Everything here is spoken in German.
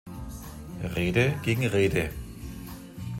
Rede gegen Rede.